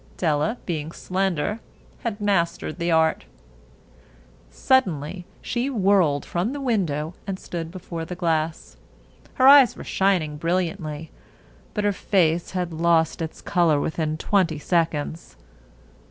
Della, being slender, had mastered the art. Suddenly she whirled from the window and stood before the glass. Her eyes were shining brilliantly, but her face had lost its color within twenty seconds.